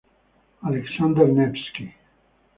Alexander Nevsky.